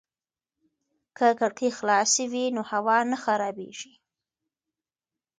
که کړکۍ خلاصې وي نو هوا نه خرابېږي.